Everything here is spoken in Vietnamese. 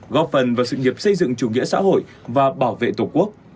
góp phần vào sự nghiệp xây dựng chủ nghĩa xã hội và bảo vệ tổ quốc